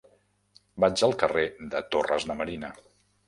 Vaig al carrer de Torres de Marina.